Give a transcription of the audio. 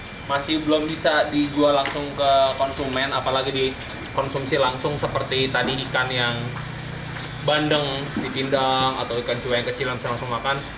ini masih belum bisa dijual langsung ke konsumen apalagi dikonsumsi langsung seperti tadi ikan yang bandeng dipindang atau ikan cuek yang kecilan bisa langsung makan